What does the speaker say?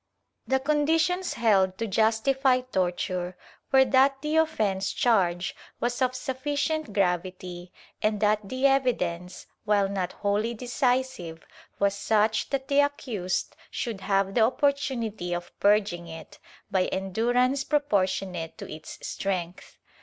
The conditions held to justify torture were that the offence charged was of sufficient gravity, and that the evidence, while not wholly decisive, was such that the accused should have the opportunity of "purging" it, by endurance proportionate to its strength.